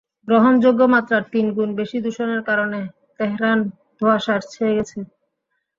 গ্রহণযোগ্য মাত্রার তিন গুণ বেশি দূষণের কারণে তেহরান ধোঁয়াশায় ছেয়ে গেছে।